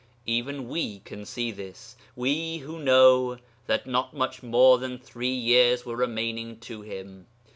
Even we can see this we who know that not much more than three years were remaining to him.